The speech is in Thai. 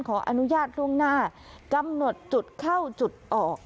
ขออนุญาตล่วงหน้ากำหนดจุดเข้าจุดออก